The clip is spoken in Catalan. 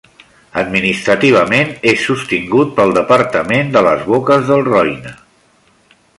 Administrativament és sostingut pel Departament de les Boques del Roine.